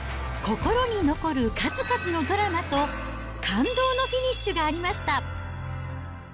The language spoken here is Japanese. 心に残る数々のドラマと、感動のフィニッシュがありました。